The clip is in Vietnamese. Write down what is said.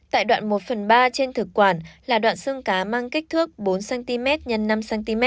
tại đoạn một phần ba trên thực quản là đoạn xương cá mang kích thước bốn cm x năm cm